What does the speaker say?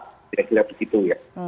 kira kira begitu ya